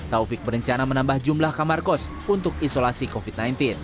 taufik berencana menambah jumlah kamar kos untuk isolasi covid sembilan belas